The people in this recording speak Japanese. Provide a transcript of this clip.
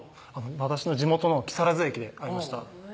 私の地元の木更津駅で会いました